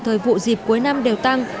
thời vụ dịp cuối năm đều tăng